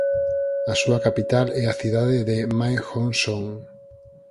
A súa capital é a cidade de Mae Hong Son.